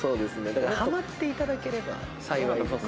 だからハマっていただければ幸いです。